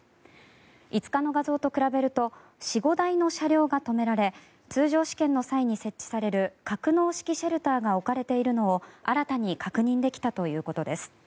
５日の画像と比べると４５台の車両が止められ通常試験の際に設置される格納式シェルターが置かれているのを新たに確認できたということです。